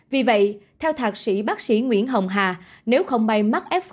vì vậy theo thạc sĩ bác sĩ nguyễn hồng hà nếu không bay mắt f